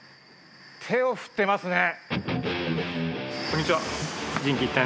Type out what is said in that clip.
手を振ってますね。